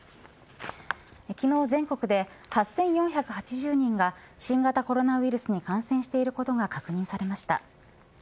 昨日、全国で８４８０人が新型コロナウイルスに感染していることが確認されました。